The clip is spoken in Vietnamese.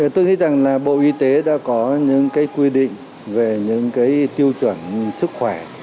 tức nghĩ rằng là bộ y tế đã có những quy định về những tiêu chuẩn sức khỏe